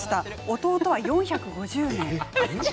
弟は４５０名。